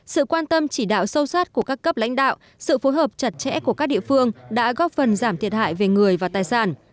sự quan tâm chỉ đạo sâu sát của các cấp lãnh đạo sự phối hợp chặt chẽ của các địa phương đã góp phần giảm thiệt hại về người và tài sản